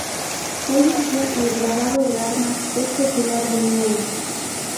Hoy en día el grabado de armas es popular de nuevo.